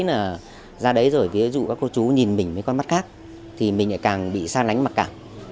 thế là ra đấy rồi ví dụ các cô chú nhìn mình với con mắt khác thì mình lại càng bị xa lánh mặt cả